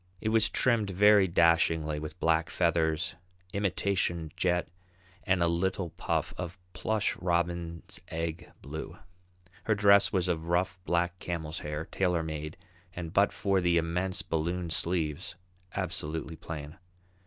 It was trimmed very dashingly with black feathers, imitation jet, and a little puff of plush robin's egg blue. Her dress was of rough, black camel's hair, tailor made, and but for the immense balloon sleeves, absolutely plain.